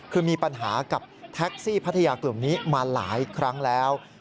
คือมีปัญหากับแท็กซี่พัทยากลุ่มนี้มาหลายครั้งแล้ว